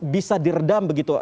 bisa diredam begitu